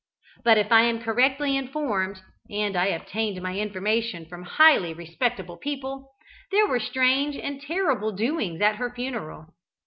But if I am correctly informed and I obtained my information from highly respectable people there were strange and terrible doings at her funeral.